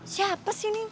siapa sih ini